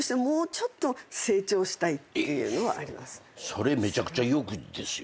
それめちゃくちゃ欲ですよ。